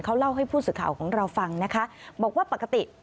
เขาเล่าให้ผู้สื่อข่าวของเราฟังนะคะบอกว่าปกติ